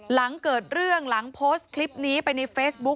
หลังเกิดเรื่องหลังโพสต์คลิปนี้ไปในเฟซบุ๊ค